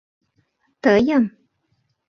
— Тыйым?!